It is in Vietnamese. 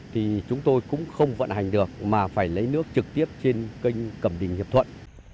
thì chúng tôi cũng không vận hành được mà phải lấy nước trực tiếp trên kênh cẩm đình hiệp thuận